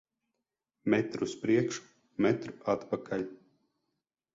Metru uz priekšu, metru atpakaļ.